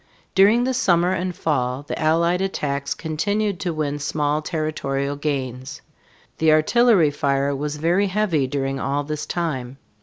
During the summer and fall the Allied attacks continued to win small territorial gains. The artillery fire was very heavy during all this time.